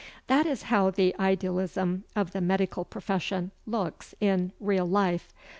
That is how the idealism of the medical profession looks in real life.